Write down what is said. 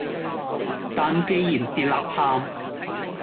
但旣然是吶喊，